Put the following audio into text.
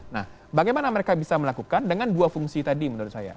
nah bagaimana mereka bisa melakukan dengan dua fungsi tadi menurut saya